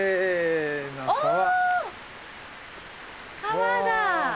川だ。